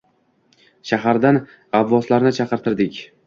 Shahardan g`avvoslarni chaqirtirdik